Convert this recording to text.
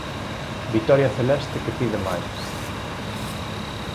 Vitoria celeste que pide máis.